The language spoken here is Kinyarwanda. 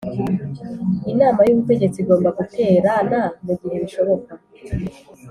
Inama y’ Ubutegetsi igomba guterana mu gihe bishoboka